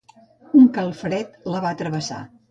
Un calfred la va travessar.